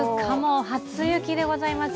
初雪でございます。